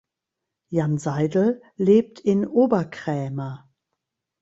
Jan Seidel lebt in Oberkrämer.